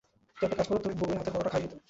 তো একটা কাজ কর তোর বৌয়ের হাতের পরটা খাইয়ে দে!